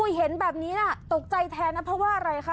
เห็นแบบนี้น่ะตกใจแทนนะเพราะว่าอะไรคะ